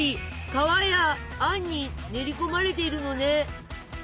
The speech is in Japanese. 皮やあんに練り込まれているのね。